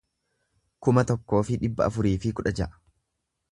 kuma tokkoo fi dhibba afurii fi kudha ja'a